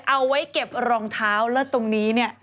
เอาไว้เก็บรองเท้าแล้วตรงนี้เนี่ย